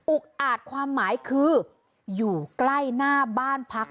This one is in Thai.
อาจความหมายคืออยู่ใกล้หน้าบ้านพัก